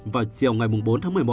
vào chiều ngày bốn tháng một mươi một